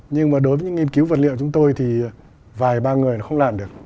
nhưng mà đối với những nghiên cứu vật liệu của chúng tôi thì vài ba người không làm được